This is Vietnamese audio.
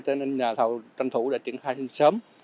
thế nên nhà thầu tranh thủ để triển khai sớm